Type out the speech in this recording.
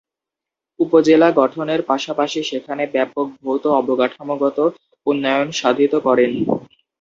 উপজেলা গঠনের পাশাপাশি সেখানে ব্যাপক ভৌত অবকাঠামোগত উন্নয়ন সাধিত করেন।